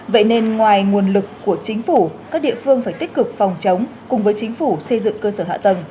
vậy nên ngoài nguồn lực của chính phủ các địa phương phải tích cực phòng chống cùng với chính phủ xây dựng cơ sở hạ tầng